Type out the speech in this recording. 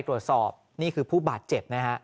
ตรวจสอบนี่คือผู้บาดเจ็บนะฮะ